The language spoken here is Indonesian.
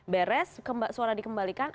beres suara dikembalikan